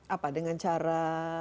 apa dengan cara